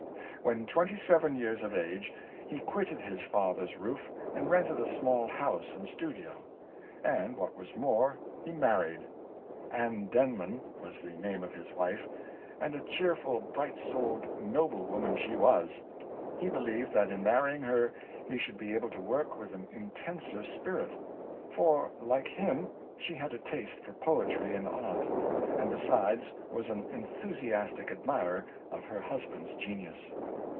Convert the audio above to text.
When twenty seven years of age, he quitted his father's roof and rented a small house and studio; and what was more, he married — Ann Denman was the name of his wife — and a cheer ful, bright souled, noble woman she was. He believed that in marrying her he should be able to work with an intenser spirit; for, like him, she had a taste for poetry and art; and besides was an enthusiastic ad mirer of her husband's genius.